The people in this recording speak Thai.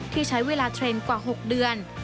ที่ใช้เวลาเทรนด์กว่า๖เดือน